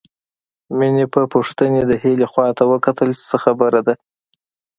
مينې په پوښتنې د هيلې خواته وکتل چې څه خبره ده